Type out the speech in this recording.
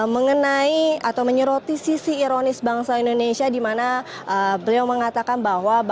mengenai atau menyeroti sisi ironis bangsa indonesia di mana beliau mengatakan bahwa